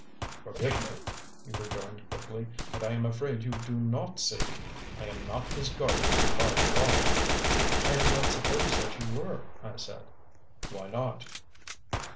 "Forgive me," he rejoined quickly, "but I am afraid you do not see. I am not his guardian by the law." "I had not supposed that you were," I said. "Why not?"